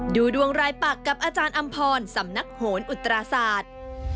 ดูดวงรายปักกับอาจารย์อำพรสำนักโหนอุตราศาสตร์